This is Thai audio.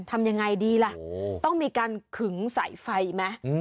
ทำยังไงดีล่ะต้องมีการขึงสายไฟไหม